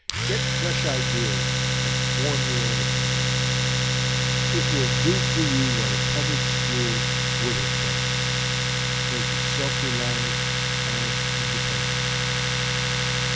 Get fresh ideas and form your own opinions. It will do for you what a public school would have done; make you self reliant, and independent."